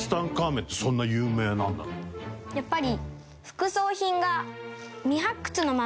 やっぱり。